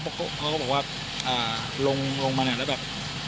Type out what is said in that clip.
เขาก็บอกว่าลงมาแล้วแบบ